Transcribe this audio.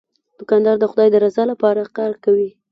دوکاندار د خدای د رضا لپاره کار کوي.